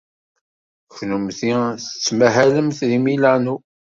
Kennemti tettmahalemt deg Milano.